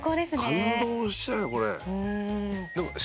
感動しちゃうよこれ。